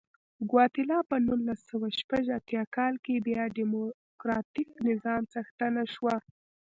ګواتیلا په نولس سوه شپږ اتیا کال کې بیا ډیموکراتیک نظام څښتنه شوه.